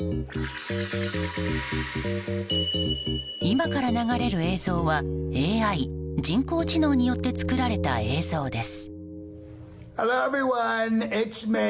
今から流れる映像はＡＩ・人工知能によって作られた映像です。